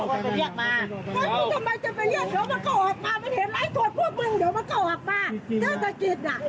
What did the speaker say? แต่ผมยักษ์มีปัญหากับใครครับผมมาขายของซื้อซื้อครับ